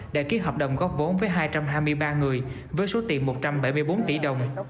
đã ký hợp đồng góp vốn với hai trăm hai mươi ba người với số tiền một trăm bảy mươi bốn tỷ đồng